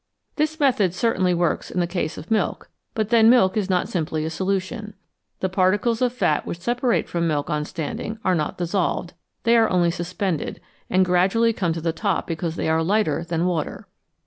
This method certainly works in the case of milk, but then milk is not simply a solution ; the particles of fat which separate from milk on standing are not dis solved they are only suspended, and gradually come to the top because they are lighter than water.